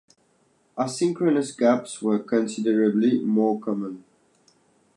Asynchronous gaps were considerably more common.